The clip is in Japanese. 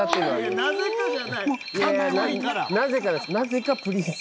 なぜかプリンス。